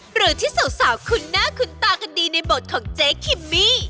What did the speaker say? หรือที่สาวคุ้นหน้าคุ้นตากันดีในบทของเจ๊คิมมี่